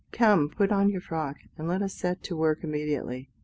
Come, put on your frock, and let us set to work immediately."